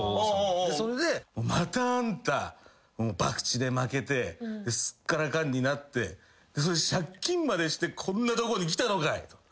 それで「またあんたばくちで負けてすっからかんになって借金までしてこんなとこに来たのかい」と。